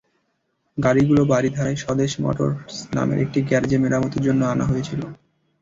গাড়িগুলো বারিধারায় স্বদেশ মটরস নামের একটি গ্যারেজে মেরামতের জন্য আনা হয়েছিল।